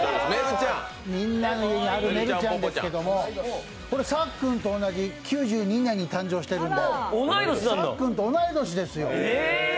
みんなの家にあるメルちゃんですけどこれさっくんと同じ９２年に誕生しているので、さっくんと同い年ですよ。